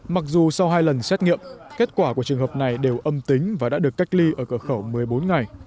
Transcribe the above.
mặc dù sau hai lần xét nghiệm kết quả của trường hợp này đều âm tính và đã được cách ly ở cửa khẩu một mươi bốn ngày